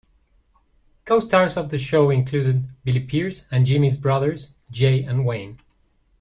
Co-stars of the show included Billy Pearce and Jimmy's brothers Jay and Wayne.